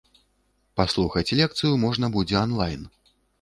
Паслухаць лекцыю можна будзе онлайн.